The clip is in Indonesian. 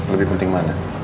lebih penting mana